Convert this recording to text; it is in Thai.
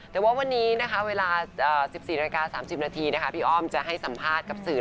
แต่ว่าวันนี้เวลา๑๔น๓๐นพี่อ้อมจะให้สัมภาษณ์กับสื่อ